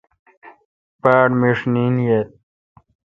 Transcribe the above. باڑ مݭ نیند ییل۔